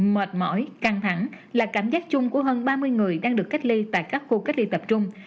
mệt mỏi căng thẳng là cảm giác chung của hơn ba mươi người đang được cách ly tại các khu cách ly tập trung